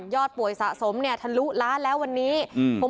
อดป่วยสะสมเนี่ยทะลุล้านแล้ววันนี้อืม